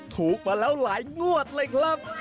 ถูกมาแล้วหลายงวดเลยครับ